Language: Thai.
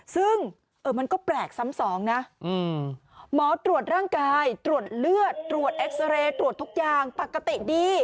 ซึ่งมันก็แปลกซ้ำสองนะหมอตรวจร่างกายตรวจเลือดตรวจเอ็กซาเรย์ตรวจทุกอย่างปกติดี